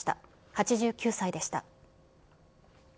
８９歳でした。